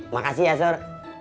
makasih ya sur